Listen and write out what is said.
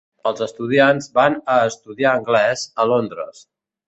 Els estudiants van a estudiar anglès a Londres